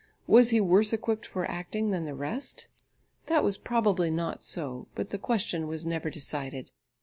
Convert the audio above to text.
Was he worse equipped for acting than the rest? That was probably not so, but the question was never decided.